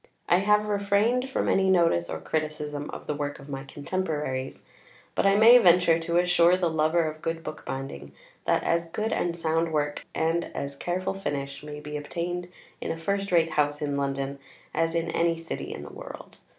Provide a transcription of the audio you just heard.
I have refrained from any notice or criticism of the work of my contemporaries; but I may venture to assure the lover of good bookbinding that as good and sound work, and as careful finish, may be obtained in a first rate house in London as in any city in the world.